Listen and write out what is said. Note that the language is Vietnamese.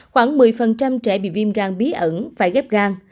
khoảng một mươi trẻ bị viêm gan bí ẩn phải ghép gan